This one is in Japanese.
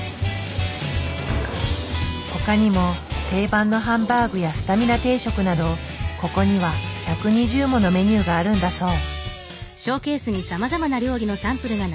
ほかにも定番のハンバーグやスタミナ定食などここには１２０ものメニューがあるんだそう。